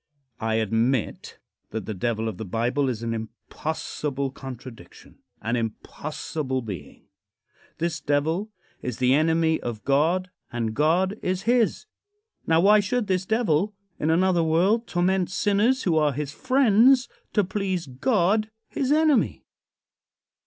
I admit that the Devil of the Bible is an impossible contradiction; an impossible being. This Devil is the enemy of God and God is his. Now, why should this Devil, in another world, torment sinners, who are his friends, to please God, his enemy?